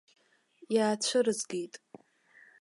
Иаацәырызгеит.